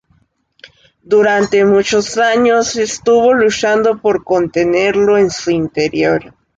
Durante muchos años, estuvo luchando por contenerlo en su interior.